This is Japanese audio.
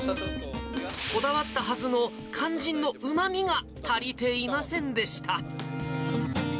こだわったはずの肝心のうまみが足りていませんでした。